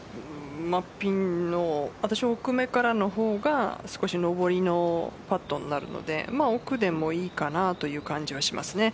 ピンの奥めからの方が少し上りのパットになるので奥でもいいかなという感じはしますね。